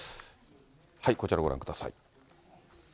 こちらご覧ください。